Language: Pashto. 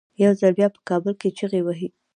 یو ځل بیا په کابل کې چیغې وهي.